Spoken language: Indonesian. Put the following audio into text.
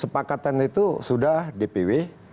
kesepakatan itu sudah dpw